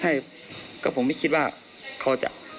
ให้ก็ผมไม่คิดว่าเขาจะ